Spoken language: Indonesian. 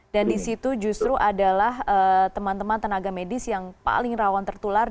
dan di situ justru adalah teman teman tenaga medis yang paling rawan tertular